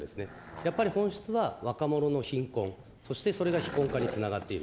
やっぱり本質は、若者の貧困、そしてそれが非婚化につながっている。